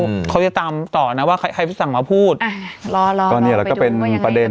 อืมเขาเขาจะตามต่อน่ะว่าใครใครสั่งมาพูดอ่ารอรอตอนเนี้ยเราก็เป็นประเด็น